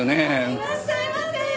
いらっしゃいませ。